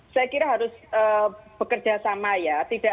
saya kira harus bekerja sama ya